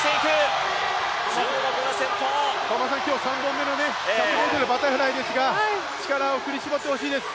相馬さん、今日３本目の１００ｍバタフライですが力を振り絞ってほしいです。